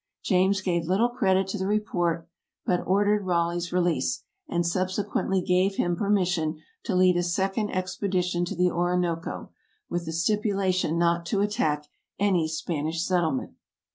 James gave little credit to the report, but ordered Raleigh's release, and subsequently gave him permission to lead a second expedition to the Orinoco, with the stipulation not to attack any Spanish settlement.